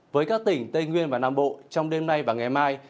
với các tỉnh tây nguyên và nam bộ trong đêm nay và ngày mai